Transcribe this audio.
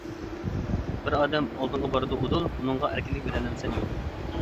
بىر ئادەم ئالدىڭغا بارىدۇ ئۇدۇل، ئۇنىڭغا ئەركىنلىك بېرەلەمسەن يوق.